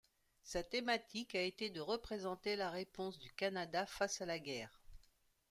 Sa thématique a été de représenter la réponse du Canada face à la guerre.